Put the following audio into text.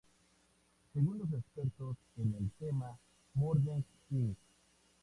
Según los expertos en el tema, "Murder Inc.